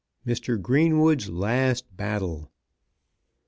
MR. GREENWOOD'S LAST BATTLE.